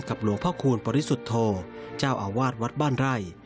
หลวงพ่อคูณปริสุทธโธเจ้าอาวาสวัดบ้านไร่